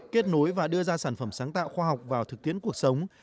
kết nối và đưa ra sản phẩm sáng tạo khoa học vào thực tiễn cuộc sống